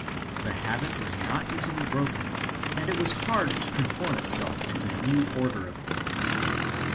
The habit was not easily broken and it was hard to conform itself to the new order of things.